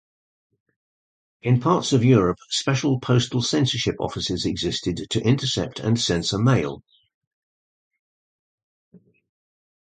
In parts of Europe, special postal censorship offices existed to intercept and censor mail.